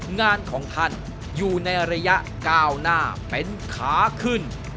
งานของท่านอยู่ในระยะก้าวหน้าเป็นขาขึ้น